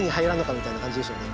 みたいな感じでしょうね。